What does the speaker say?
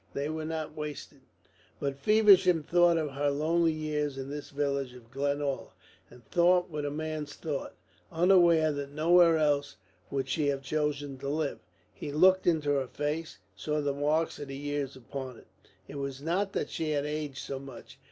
They were not wasted." But Feversham thought of her lonely years in this village of Glenalla and thought with a man's thought, unaware that nowhere else would she have chosen to live. He looked into her face, and saw the marks of the years upon it. It was not that she had aged so much.